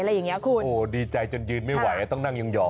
อะไรอย่างนี้คุณดีใจจนยืนไม่ไหวต้องนั่งหย่อง